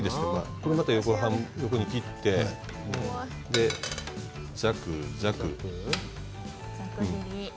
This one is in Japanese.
これまた横に切ってザクザク。